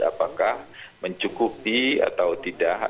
apakah mencukupi atau tidak